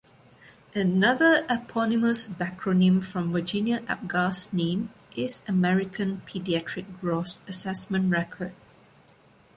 Another eponymous backronym from Virginia Apgar's name is American Pediatric Gross Assessment Record.